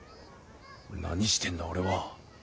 なにしてんだ俺は。